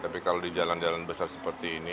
tapi kalau di jalan jalan besar seperti ini